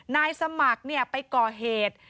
นายสมัครไปก่อเหตุ